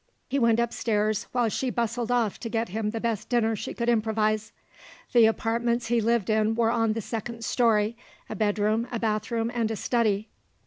He went upstairs, while she bustled off to get him the best dinner she could improvise. The apartments he lived in were on the second storey a bedroom, a bathroom, and a study.